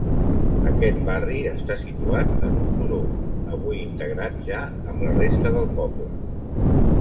Aquest barri està situat en un turó, avui integrat ja amb la resta del poble.